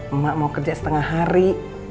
emak mau kerja setengah hari